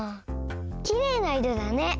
きれいないろだね。